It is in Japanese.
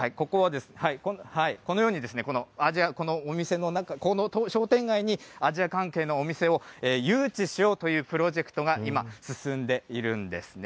このように、このお店の中、この商店街に、アジア関係のお店を誘致しようというプロジェクトが今、進んでいるんですね。